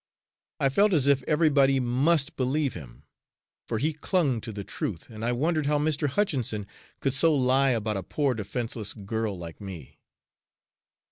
I felt as if everybody must believe him, for he clung to the truth, and I wondered how Mr. Hutchinson could so lie about a poor defenseless girl like me.